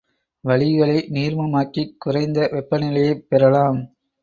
வளிகளை நீர்மமாக்கிக் குறைந்த வெப்பநிலையைப் பெறலாம்.